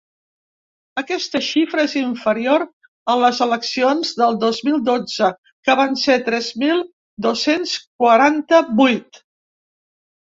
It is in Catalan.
Aquesta xifra és inferior a les eleccions del dos mil dotze, que van ser tres mil dos-cents quaranta-vuit.